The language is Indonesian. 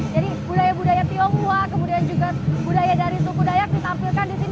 jadi budaya budaya tionghoa kemudian juga budaya dari suku dayak ditampilkan di sini